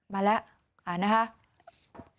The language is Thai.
มาแล้ว